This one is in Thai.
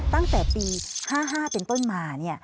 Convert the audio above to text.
ตั้งแต่ปี๕๕เป็นต้นมา